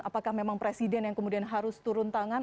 apakah memang presiden yang kemudian harus turun tangan